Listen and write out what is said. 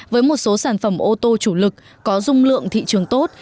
với một số sản phẩm ô tô chủ lực có dung lượng thị trường tốt